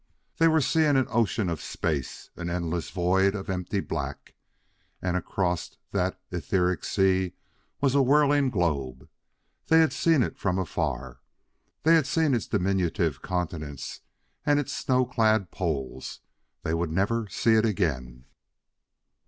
They were seeing an ocean of space, an endless void of empty black. And across that etheric sea was a whirling globe. They had seen it from afar; they had seen its diminutive continents and its snow clad poles.... They would never see it again....